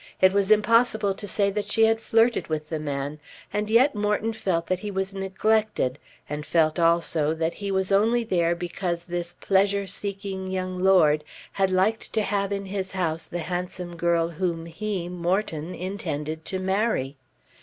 It was impossible to say that she had flirted with the man, and yet Morton felt that he was neglected, and felt also that he was only there because this pleasure seeking young Lord had liked to have in his house the handsome girl whom he, Morton, intended to marry.